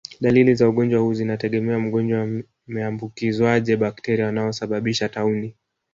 Dalili za ugonjwa huu zinategemea mgonjwa ameambukizwaje bakteria wanaosababisha tauni